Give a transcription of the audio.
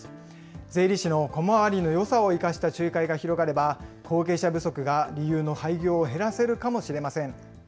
税理士の小回りのよさを生かした仲介が広がれば、後継者不足が理由の廃業を減らせるかもしれません。